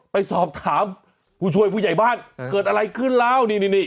ไปสอบถามผู้ช่วยผู้ใหญ่บ้านเกิดอะไรขึ้นแล้วนี่นี่